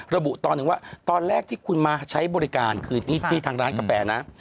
ระบุตอนหนึ่งว่าตอนแรกที่คุณมาใช้บริการคือที่ทางร้านกาแฟนะ